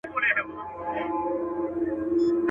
ما لیدلې د قومونو په جرګو کي.